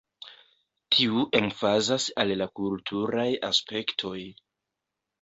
Tiu emfazas al la kulturaj aspektoj.